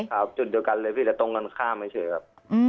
ครับจุดเดียวกันเลยพี่แต่ตรงกันข้ามเฉยครับ